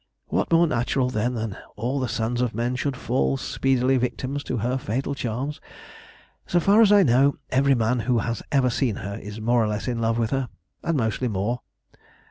What more natural, then, that all the sons of men should fall speedy victims to her fatal charms? So far as I know, every man who has ever seen her is more or less in love with her and mostly more!